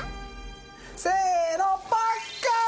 せのパッカーン！